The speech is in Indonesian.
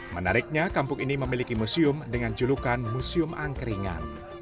menariknya kampung ini memiliki museum dengan julukan museum angkringan